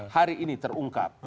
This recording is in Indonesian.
hari ini terungkap